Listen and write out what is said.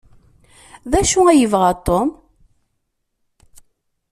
D acu ay yebɣa Tom?